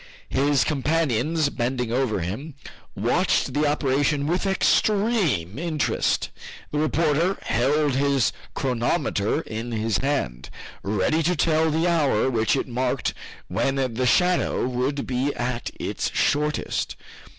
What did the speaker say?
His companions, bending over him, watched the operation with extreme interest. The reporter held his chronometer in his hand, ready to tell the hour which it marked when the shadow would be at its shortest.